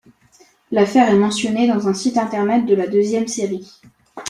L'affaire est mentionnée dans un site internet de la deuxième série.